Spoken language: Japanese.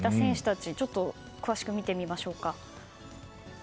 ちょっと詳しく見てみましょうか。